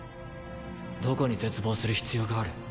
どこに絶望する必要がある？